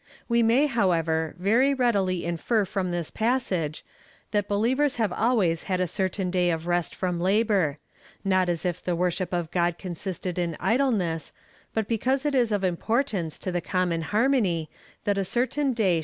We may, however, very readily infer from this passage, that believers have always had a certain day of rest from labour — not as if the worship of God consisted in idleness, but because it is of importance for the common liarraony, that a certain day CHAP.